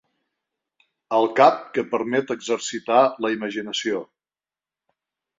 El cap que permet exercitar la imaginació.